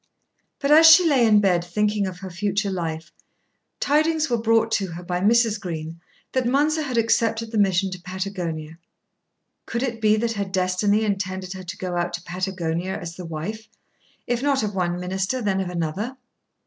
But as she lay in bed, thinking of her future life, tidings were brought to her by Mrs. Green that Mounser had accepted the mission to Patagonia. Could it be that her destiny intended her to go out to Patagonia as the wife, if not of one minister, then of another?